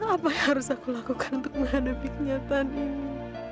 apa yang harus aku lakukan untuk menghadapi kenyataan ini